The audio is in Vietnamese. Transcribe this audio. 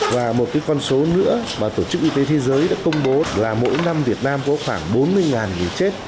và một con số nữa mà tổ chức y tế thế giới đã công bố là mỗi năm việt nam có khoảng bốn mươi người chết